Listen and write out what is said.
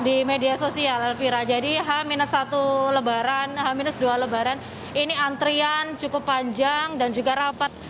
di media sosial elvira jadi h satu lebaran h dua lebaran ini antrian cukup panjang dan juga rapat